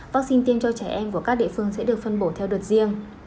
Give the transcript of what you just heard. vaccine tiêm cho trẻ em của các địa phương sẽ được phân bổ theo đợt riêng